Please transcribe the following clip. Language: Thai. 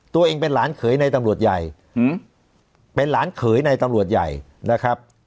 ตัวเองเป็นหลานเขยในตำรวจใหญ่เป็นหลานเขยในตำรวจใหญ่นะครับ